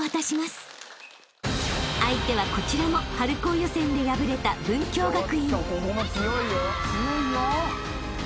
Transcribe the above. ［相手はこちらも春高予選で敗れた文京学院］